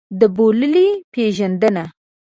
د بوللې پېژندنه.